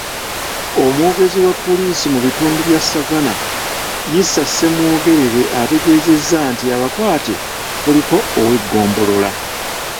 Omwogezi wa poliisi mu bitundu bya Savannah, Isa Ssemwogerere, ategeezezza nti abakwate kuliko ow'eggombolola